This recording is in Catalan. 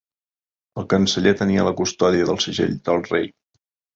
El canceller tenia la custòdia del segell del rei.